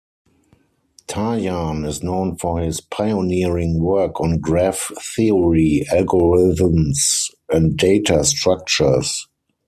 Tarjan is known for his pioneering work on graph theory algorithms and data structures.